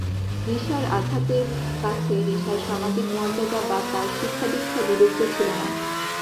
রিসার ঘাতকের কাছে রিসার সামাজিক মর্যাদা বা তার শিক্ষাদীক্ষা বিবেচ্য ছিল না।